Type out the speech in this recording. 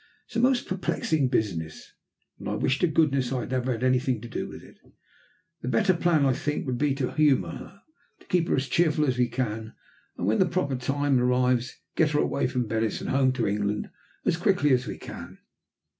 It's a most perplexing business, and I wish to goodness I had never had anything to do with it. The better plan, I think, would be to humour her, keep her as cheerful as we can, and when the proper time arrives, get her away from Venice and home to England as quickly as we can."